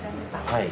はい。